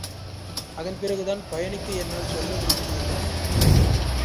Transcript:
அதன் பிறகுதான் பையனுக்கு என்னால் சொல்ல முடிந்தது என்றார்கள்.